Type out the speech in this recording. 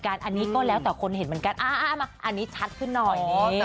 อันนี้ก็แล้วแต่คนเห็นเหมือนกันอันนี้ชัดขึ้นหน่อย